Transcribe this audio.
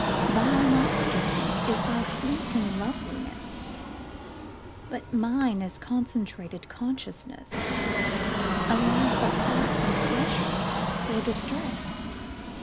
Thy life dream is thy fleeting loveliness; But mine is concentrated consciousness,A life apart from pleasure or distress.